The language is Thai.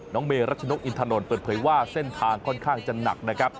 เมรัชนกอินทนนท์เปิดเผยว่าเส้นทางค่อนข้างจะหนักนะครับ